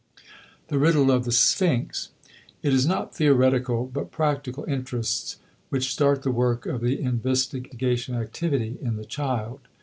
*The Riddle of the Sphinx.* It is not theoretical but practical interests which start the work of the investigation activity in the child.